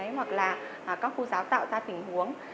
hoặc là các cô giáo tạo ra tình huống